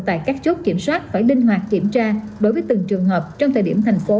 tại các chốt kiểm soát phải linh hoạt kiểm tra đối với từng trường hợp trong thời điểm thành phố